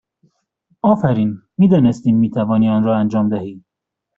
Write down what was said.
آفرین! می دانستیم می توانی آن را انجام دهی!